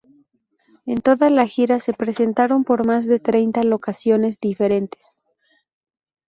En toda la gira se presentaron por más de treinta locaciones diferentes.